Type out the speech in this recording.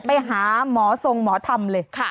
ไปหาหมอทรงหมอธรรมเลย